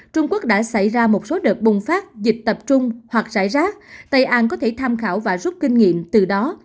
trung quốc đã xảy ra một số đợt bùng phát dịch tập trung hoặc rải rác tây an có thể tham khảo và rút kinh nghiệm từ đó